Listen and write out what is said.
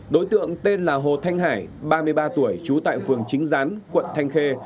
đối tượng tên là hồ thanh hải ba mươi ba tuổi trú tại phường chính gián quận thanh khê